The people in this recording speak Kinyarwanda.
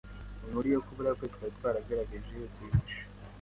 Inkuru yo kubura kwe twari twaragerageje kuyihisha,